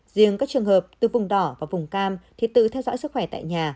riêng các trường hợp từ vùng đỏ và vùng cam thì tự theo dõi sức khỏe tại nhà